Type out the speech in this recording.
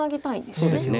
そうですね。